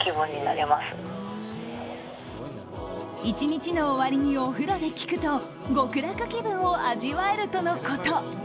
１日の終わりにお風呂で聴くと極楽気分を味わえるとのこと。